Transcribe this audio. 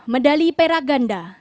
medali perak ganda